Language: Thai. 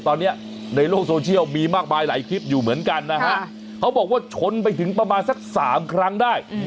ตอนนี้ในโลกโซเชียลมีมากมายหลายคลิปอยู่เหมือนกันนะฮะเขาบอกว่าชนไปถึงประมาณสัก๓ครั้งได้